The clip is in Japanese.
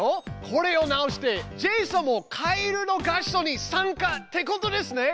これを直してジェイソンも「かえるの合唱」に参加ってことですね。